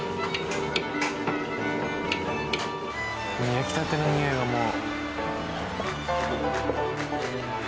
焼きたてのにおいがもう。